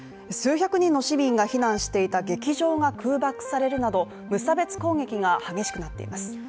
数百人の市民が避難していた劇場が空爆されるなど無差別攻撃が激しくなっています。